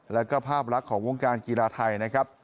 แล้วก็ภาพลักษณ์ของวงการกีฬาไทยนะครับ